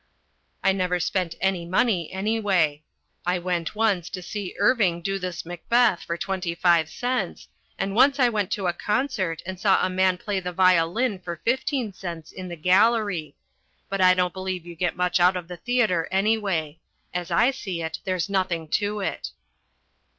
I never spent any money anyway. I went once to see Irving do this Macbeth for twenty five cents, and once I went to a concert and saw a man play the violin for fifteen cents in the gallery. But I don't believe you get much out of the theatre anyway; as I see it, there's nothing to it.